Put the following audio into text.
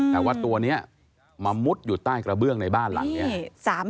แต่ว่าตัวนี้มามุดอยู่ใต้กระเบื้องในบ้านหลังนี้